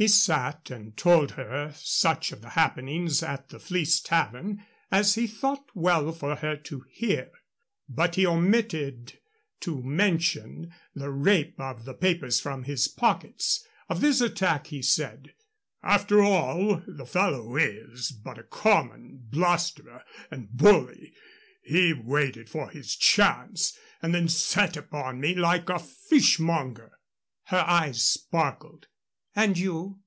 He sat and told her such of the happenings at the Fleece Tavern as he thought well for her to hear, but he omitted to mention the rape of the papers from his pockets. Of this attack he said: "After all, the fellow is but a common blusterer and bully. He waited for his chance and then set upon me like a fish monger." Her eyes sparkled. "And you?"